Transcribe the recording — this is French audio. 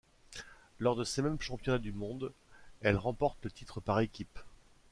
Lors de ces mêmes Championnats du monde, elle remporte le titre par équipe.